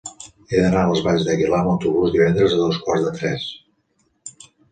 He d'anar a les Valls d'Aguilar amb autobús divendres a dos quarts de tres.